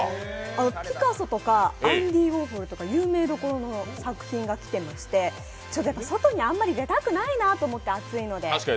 ピカソとかアンディ・ウォーホルとか有名どころの作品がきてまして外にあまり出たくないなと思って、暑いので。